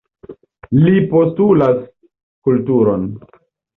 Li postulas kulturon.